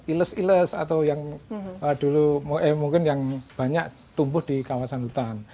iles iles atau yang dulu mungkin yang banyak tumbuh di kawasan hutan